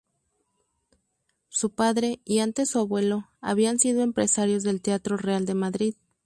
Su padre y antes su abuelo habían sido empresarios del Teatro Real de Madrid.